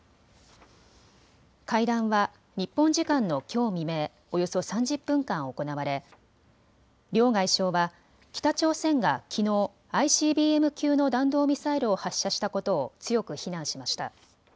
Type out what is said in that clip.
会談は日本時間のきょう未明、およそ３０分間、行われ両外相は北朝鮮がきのうＩＣＢＭ級の弾道ミサイルを発射したことを強く非難しました。